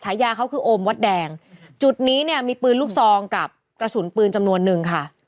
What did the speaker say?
ฉายาเขาคือโอมวัดแดงจุดนี้เนี่ยมีปืนลูกซองกับกระสุนปืนจำนวนนึงค่ะ